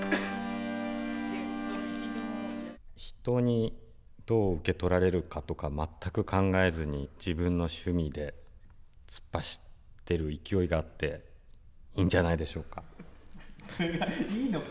人にどう受け取られるかとか全く考えずに自分の趣味でいいんじゃないでしょうか。